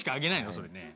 それねえ。